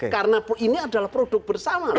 karena ini adalah produk bersama